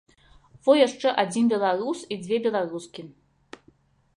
Во яшчэ адзін беларус і дзве беларускі.